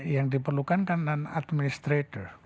yang diperlukan kan non administrator